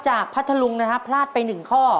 จากพระทะลุงนะครับพลาดไปหนึ่งข้อ